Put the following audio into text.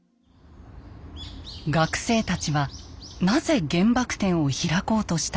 学生たちはなぜ原爆展を開こうとしたのか。